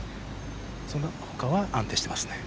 そのほかは安定していますね。